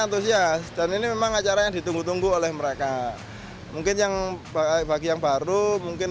antusias dan ini memang acara yang ditunggu tunggu oleh mereka mungkin yang bagi yang baru mungkin